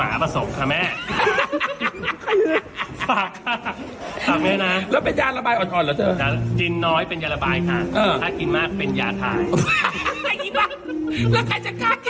น้ำพริกแซ่บแซ่บต้องบอกมันคนแซ่บแซ่บ